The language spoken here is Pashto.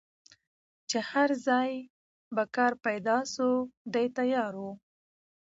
چي هر ځای به کار پیدا سو دی تیار وو